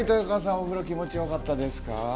お風呂気持ちよかったですか？